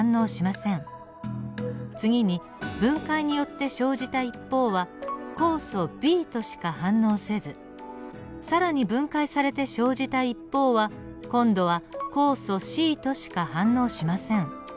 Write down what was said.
次に分解によって生じた一方は酵素Ｂとしか反応せず更に分解されて生じた一方は今度は酵素Ｃとしか反応しません。